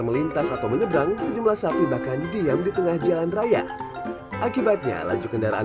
melintas atau menyeberang sejumlah sapi bahkan diam di tengah jalan raya akibatnya laju kendaraan